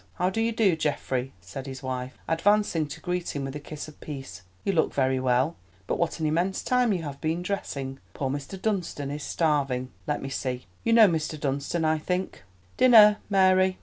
"How do you do, Geoffrey?" said his wife, advancing to greet him with a kiss of peace. "You look very well. But what an immense time you have been dressing. Poor Mr. Dunstan is starving. Let me see. You know Mr. Dunstan, I think. Dinner, Mary."